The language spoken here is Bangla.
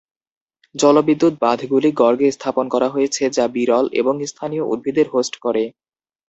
জলবিদ্যুৎ বাঁধগুলি গর্গে স্থাপন করা হয়েছে যা বিরল এবং স্থানীয় উদ্ভিদের হোস্ট করে।